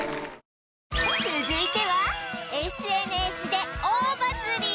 続いては ＳＮＳ で大バズり